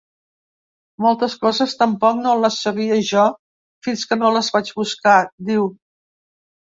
Moltes coses tampoc no les sabia jo, fins que no les vaig buscar, diu.